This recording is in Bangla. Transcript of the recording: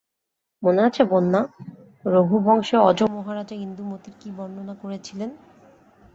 মনে আছে বন্যা, রঘুবংশে অজ-মহারাজা ইন্দুমতীর কী বর্ণনা করেছিলেন।